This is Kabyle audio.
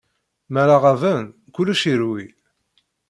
Mi ara ɣaben, kullec irewwi.